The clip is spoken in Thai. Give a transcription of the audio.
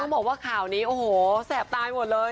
บอกว่าข่าวนี้โอ้โหแสบตายหมดเลย